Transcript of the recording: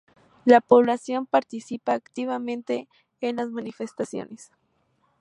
La población participa activamente en las manifestaciones.